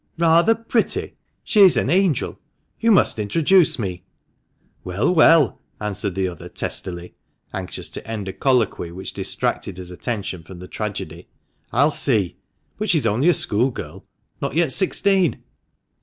" Rather pretty ! She's an angel ! You must introduce me !"" Well, well !:' answered the other testily, anxious to end a colloquy which distracted his attention from the tragedy, "I'll see. But she's only a schoolgirl — not yet sixteen